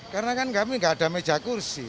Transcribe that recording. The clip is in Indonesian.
karena kan kami enggak ada meja kursi